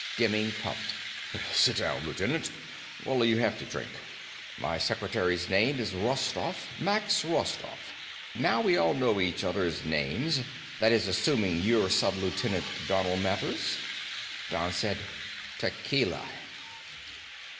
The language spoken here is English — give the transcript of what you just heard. Demming puffed, "Sit down, Lieutenant. What'll you have to drink? My secretary's name is Rostoff. Max Rostoff. Now we all know each other's names. That is, assuming you're Sub lieutenant Donal Mathers." Don said, "Tequila."